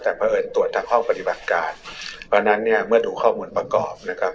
แต่เพราะเอิญตรวจทางห้องปฏิบัติการเพราะฉะนั้นเนี่ยเมื่อดูข้อมูลประกอบนะครับ